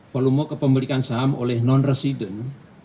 volume kepemilikan saham oleh non resident